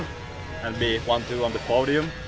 dan menjadi satu dua di podium